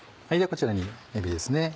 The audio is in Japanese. こちらにえびですね。